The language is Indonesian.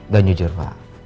dan jujur pak